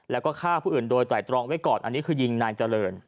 แล้วก็ฆ่าผู้อื่นโดยไตรตรองไว้ก่อนอันนี้คือยิงนายเจริญ